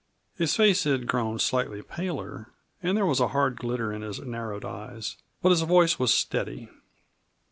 His face had grown slightly paler and there was a hard glitter in his narrowed eyes. But his voice was steady.